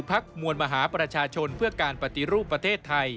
มวลมหาประชาชนเพื่อการปฏิรูปประเทศไทย